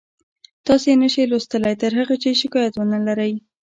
تاسو یې نشئ لوستلی تر هغه چې شکایت ونلرئ